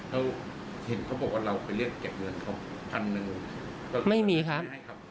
เห็นเขาบอกว่าเราไปเรียกแกะเดือนเขาพันหนึ่งไม่มีครับ